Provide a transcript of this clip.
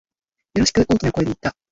よろしく、大きな声で言った。